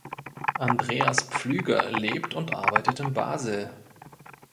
Andreas Pflüger lebt und arbeitet in Basel.